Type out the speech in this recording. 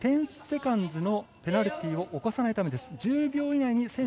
それは、１０セカンズのペナルティーを犯さないためでです。